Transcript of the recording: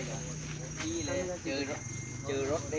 แจ้งเถอะ